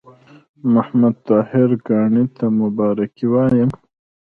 محمد طاهر کاڼي ته مبارکي وایم.